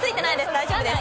大丈夫です。